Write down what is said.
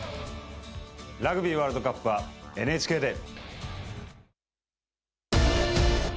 ラグビーワールドカップはＮＨＫで！